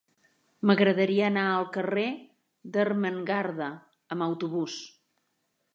M'agradaria anar al carrer d'Ermengarda amb autobús.